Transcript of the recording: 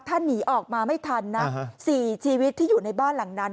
ถ้าหนีออกมาไม่ทันนะ๔ชีวิตที่อยู่ในบ้านหลังนั้น